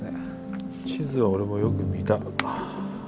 地図は俺もよく見た。